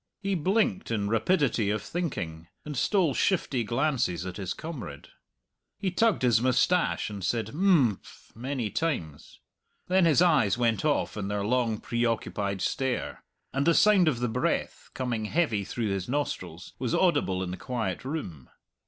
He blinked in rapidity of thinking, and stole shifty glances at his comrade. He tugged his moustache and said "Imphm" many times. Then his eyes went off in their long preoccupied stare, and the sound of the breath, coming heavy through his nostrils, was audible in the quiet room.